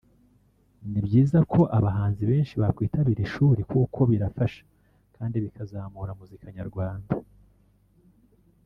“Ni byiza ko abahanzi benshi bakwitabira ishuri kuko birafasha kandi bikazamura muzika nyarwanda